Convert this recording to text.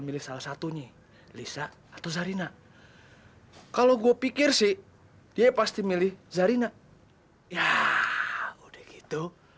milih salah satunya lisa atau zarina kalau gue pikir sih dia pasti milih zarina ya udah gitu